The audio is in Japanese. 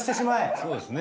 そうですね。